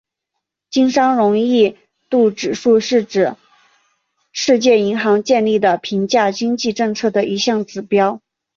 经商容易度指数是世界银行建立的评价经济政策的一项指标。